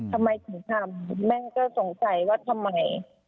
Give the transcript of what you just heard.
ทำไมถึงทำแม่งก็สงสัยว่าทำไม